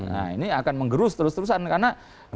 nah ini akan menggerus terus terusan karena